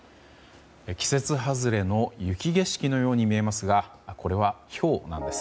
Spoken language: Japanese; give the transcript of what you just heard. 季節外れの雪景色のように見えますがこれは、ひょうなんです。